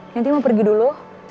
nanti mau pergi dulu